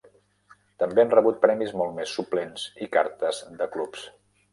També han rebut premis molts més suplents i cartes de clubs.